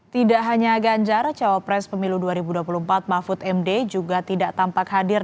tidak hanya ganjar cawapres pemilu dua ribu dua puluh empat mahfud md juga tidak tampak hadir